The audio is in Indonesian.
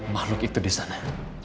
makhluk itu di sana